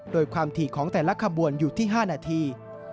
โดยความถี่ของแต่ละขบวนอยู่ที่๕นาที